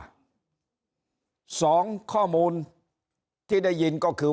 ถ้าท่านผู้ชมติดตามข่าวสาร